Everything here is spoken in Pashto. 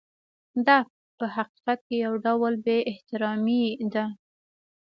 دا په حقیقت کې یو ډول بې احترامي ده.